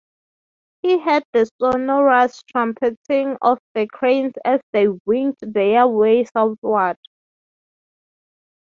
He heard the sonorous trumpeting of the cranes as they winged their way southward.